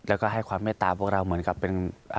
แล้วก็ให้ความเมตตาพวกเราเหมือนกับเป็น